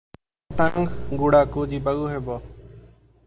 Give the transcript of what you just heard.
ଅଟାଙ୍ଗଗୁଡାକୁ ଯିବାକୁ ହେବ ।